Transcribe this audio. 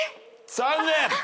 残念！